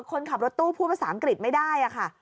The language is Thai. คนขับรถตู้พูดภาษาอังกฤษไม่ได้ค่ะ